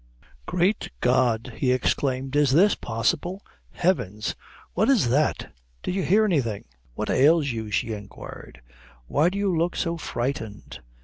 "Great God!" he exclaimed, "is this possible! Heavens! What is that? Did you hear anything?" "What ails you?" she enquired. "Why do you look so frightened?"